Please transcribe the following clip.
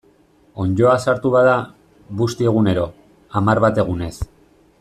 Onddoa sartu bada, busti egunero, hamar bat egunez.